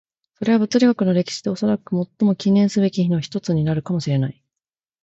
それは物理学の歴史でおそらく最も記念すべき日の一つになるかもしれない。